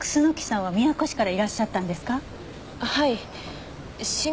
はい。